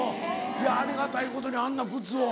いやありがたいことにあんな靴を。